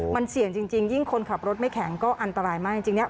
มันเสี่ยงจริงยิ่งคนขับรถไม่แข็งก็อันตรายมากจริงเนี่ย